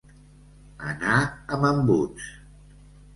Anar amb embuts.